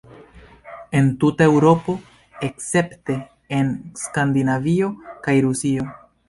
En tuta Eŭropo, escepte en Skandinavio kaj Rusio.